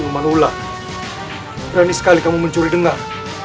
berani sekali kamu mencuri dengar